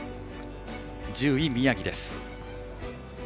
１０位、宮城です。